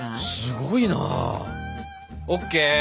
すごいな。ＯＫ。